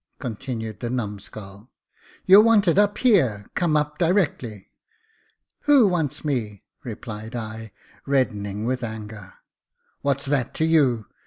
" continued the numscull. " You're wanted up here ! come up directly." "Who wants me ?" replied I, reddening with anger. " What's that to you